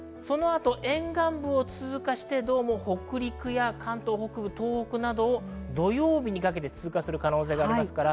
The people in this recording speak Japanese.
沿岸部を通過して、どうも北陸や関東北部、東北などを土曜日にかけて通過する可能性があります。